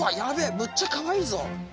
むっちゃかわいいぞ。